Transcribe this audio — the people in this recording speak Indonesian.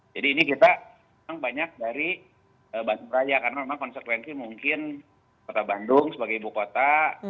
jadi kita memang banyak dari bandung raya karena memang konsekuensi mungkin kota bandung sebagai ibu kota